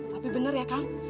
tapi bener ya kang